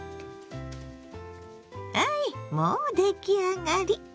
はいもう出来上がり！